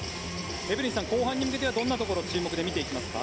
エブリンさん後半に向けてどんなところを見ていきたいですか。